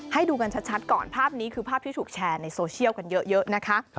ให้ดูกันชัดก่อนภาพนี้คือภาพที่ถูกแชร์ในโซเชียลกันเยอะนะคะ